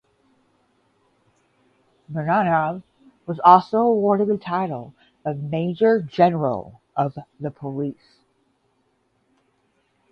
Mironov was also awarded the title of Major General of the Police.